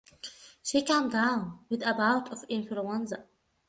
She came down with a bout of influenza.